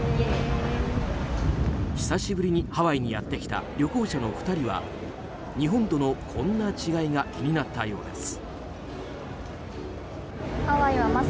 久しぶりにハワイにやってきた旅行者の２人は日本との、こんな違いが気になったようです。